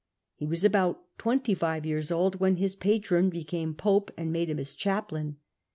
He was about twenty five years old when his patron became pope and made him his chaplain.